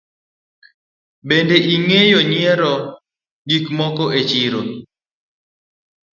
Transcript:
Bende ingeyo yiero gik moko e chiro.